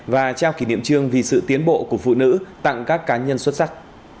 và trao kỷ niệm trương vì sự tiến bộ của phụ nữ tặng các cá nhân xuất sắc